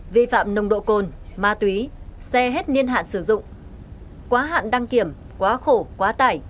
vi phạm nồng độ cồn ma túy xe hết niên hạn sử dụng quá hạn đăng kiểm quá khổ quá tải